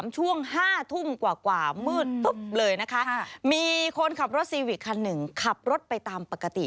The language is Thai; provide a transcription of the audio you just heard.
ช่วง๕ทุ่มกว่ามืดตุ๊บเลยนะคะมีคนขับรถซีวิกคันหนึ่งขับรถไปตามปกติ